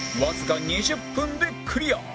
わずか２０分でクリア